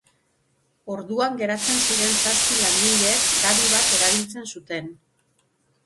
Orduan geratzen ziren zazpi langileek gabi bat erabiltzen zuten.